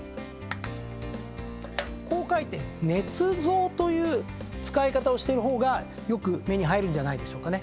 こう書いて捏造という使い方をしている方がよく目に入るんじゃないでしょうかね。